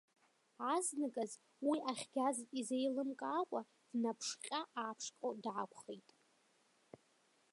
Азныказ уи ахьгаз изеилымкаакәа днаԥшҟьа-ааԥшҟьо даақәхеит.